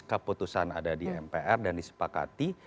keputusan ada di mpr dan disepakati